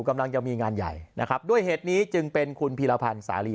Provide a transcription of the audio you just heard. กำลังจะมีงานใหญ่นะครับด้วยเหตุนี้จึงเป็นคุณพีรพันธ์สาลี